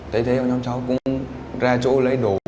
thấy thấy nhóm cháu cũng ra chỗ lấy đồ